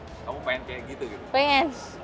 dan nomor lima belas yola yuliana